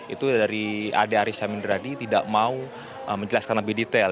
itu dari adri syamindradi tidak mau menjelaskan lebih detail